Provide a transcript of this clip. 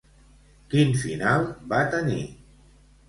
Quin final va tenir?